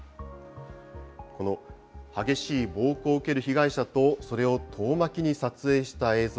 この激しい暴行を受ける被害者とそれを遠巻きに撮影した映像。